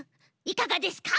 いかがですか？